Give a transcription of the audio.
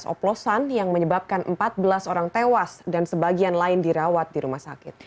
oplosan yang menyebabkan empat belas orang tewas dan sebagian lain dirawat di rumah sakit